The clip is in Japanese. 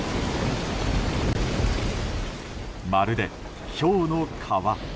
まるで、ひょうの川。